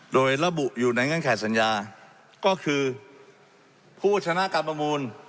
โดยระบุอยู่ในเงื่อนไขสัญญาก็คือผู้ชนะการประมูล